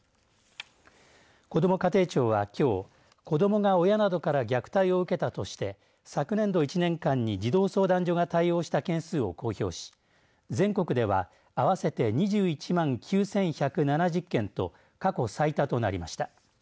こども家庭庁は、きょう子どもが親などから虐待を受けたとして昨年度１年間に児童相談所が対応した件数を公表し全国では合わせて２１万９１７０件と過去最多となりました。